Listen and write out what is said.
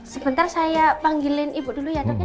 sebentar saya panggilin ibu dulu ya dok ya